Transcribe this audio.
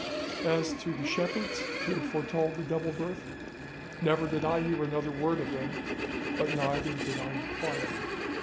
As to the shepherds who had foretold the double birth, never did I hear another word of them, but neither did I inquire.